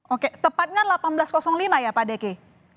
oke tepatnya seribu delapan ratus lima ya pak deki